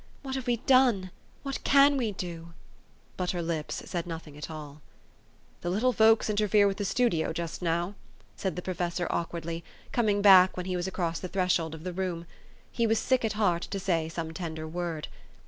What have we done ? What can we do ?" But her lips said nothing at all. 11 The little folks interfere with the studio just now," said the professor awkwardly, coming back when he was across the threshold of the room. He was sick at heart to say some tender word.